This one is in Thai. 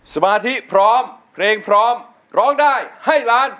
สมาธิพร้อมเพลงพร้อมร้องได้ให้ล้าน